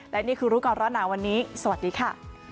และนี่คือรู้ก่อนร้อนหนาวันนี้สวัสดีค่ะ